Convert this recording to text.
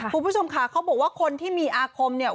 คุณผู้ชมค่ะเขาบอกว่าคนที่มีอาคมเนี่ย